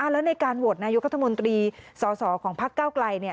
แล้วในการโหวตนายุคัทมนตรีสสของภักดิ์เก้าไกล